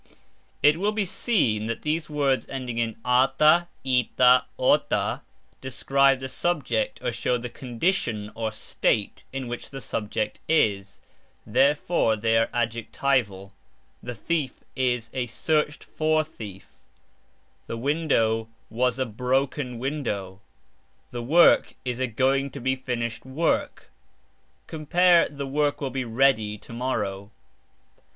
It will be seen that these words ending in " ata", " ita", " ota" describe the subject or show the "condition" or "state" in which the subject is, therefore they are adjectival; the thief is a "searched for" thief, the window was a "broken" window, the work is a "going to be finished" work (compare The work will be "ready" to morrow).